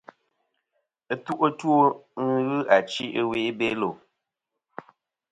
Ɨtu ' two ghɨ achi ɨwe i Belo.